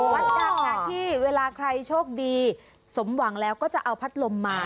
วัดดังที่เวลาใครโชคดีสมหวังแล้วก็จะเอาพัดลมมา